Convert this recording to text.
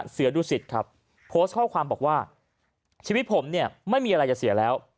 เสียดูสิตโพสต์บอกว่าชีวิตผมไม่มีอะไรจะเสียแล้ว